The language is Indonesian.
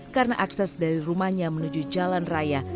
karena akses dari rumahnya menuju jalan raya